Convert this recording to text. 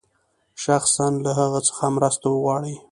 شخصاً له هغه څخه مرسته وغواړي.